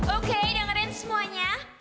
oke dengerin semuanya